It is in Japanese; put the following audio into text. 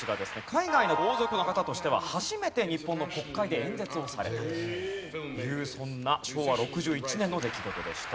海外の王族の方としては初めて日本の国会で演説をされたというそんな昭和６１年の出来事でした。